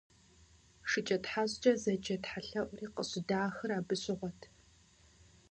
ШыкӀэтхьэщӀкӀэ зэджэ тхьэлъэӀури къыщыдахыр абы щыгъуэт.